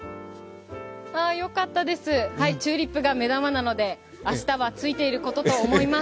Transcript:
よかったです、チューリップが目玉なので明日はついていることと思います。